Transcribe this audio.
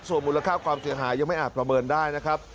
ส่วนมูลค่าความเสียหายยังไม่อาจประเมินได้นะครับ